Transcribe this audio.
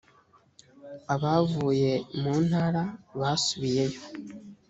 abavuye muntara basubiyeyo.